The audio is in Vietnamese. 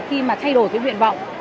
khi mà thay đổi cái nguyện vọng